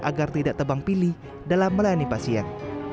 agar tidak tebang pilih dalam melayani pasien